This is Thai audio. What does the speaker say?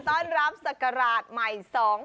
ต้อนรับศักราชใหม่๒๕๖